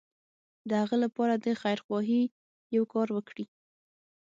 د هغه لپاره د خيرخواهي يو کار وکړي.